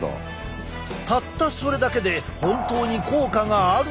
たったそれだけで本当に効果があるのか？